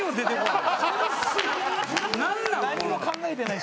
何も考えてない。